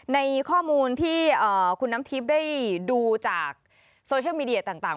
ในข้อมูลที่คุณน้ำทิพย์ได้ดูจากโซเชียลมีเดียต่าง